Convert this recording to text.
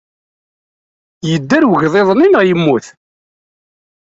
Yedder wegḍiḍ-nni neɣ yemmut?